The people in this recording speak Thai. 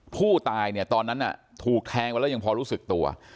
ผู้ตายเนี่ยตอนนั้นถูกแทงไปแล้วยังพอรู้สึกตัว